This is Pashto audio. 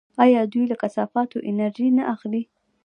آیا دوی له کثافاتو انرژي نه اخلي؟